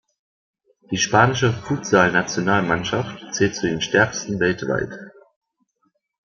Die spanische Futsalnationalmannschaft zählt zu den stärksten weltweit.